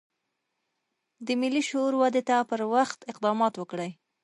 د ملي شعور ودې ته پر وخت اقدامات وکړي.